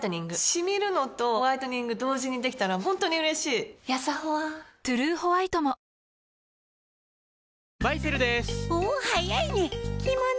シミるのとホワイトニング同時にできたら本当に嬉しいやさホワ「トゥルーホワイト」も明星麺神